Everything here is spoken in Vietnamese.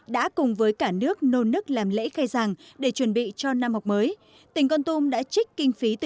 để về sự lễ khai giảng với thầy cô giáo